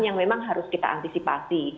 yang memang harus kita antisipasi